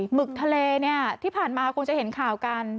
หึกทะเลเนี่ยที่ผ่านมาคุณจะเห็นข่าวกัน